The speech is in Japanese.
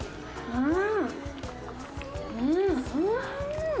うん。